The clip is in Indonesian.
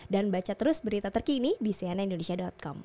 dan baca terus berita terkini di senindonesia com